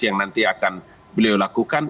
yang nanti akan beliau lakukan